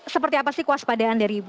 seperti apa sih kuasa padaan dari ibu